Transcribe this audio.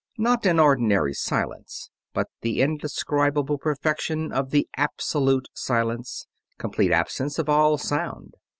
Not an ordinary silence, but the indescribable perfection of the absolute silence, complete absence of all sound.